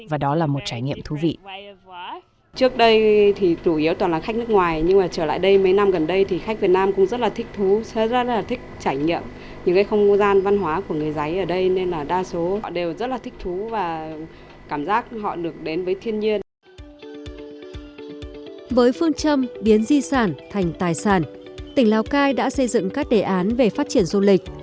với phương châm biến di sản thành tài sản tỉnh lào cai đã xây dựng các đề án về phát triển du lịch